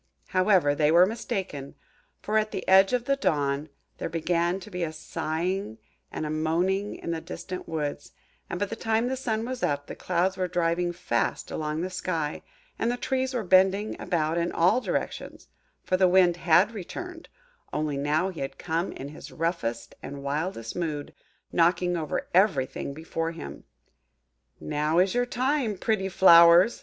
However, they were mistaken; for, at the edge of the dawn, there began to be a sighing and a moaning in the distant woods, and by the time the sun was up, the clouds were driving fast along the sky, and the trees were bending about in all directions; for the Wind had returned,–only now he had come in his roughest and wildest mood,–knocking over everything before him. "Now is your time, pretty flowers!"